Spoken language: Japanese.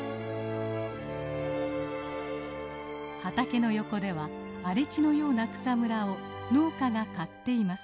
畑の横では荒れ地のような草むらを農家が刈っています。